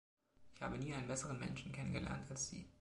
Ich habe nie einen besseren Menschen kennengelernt als sie.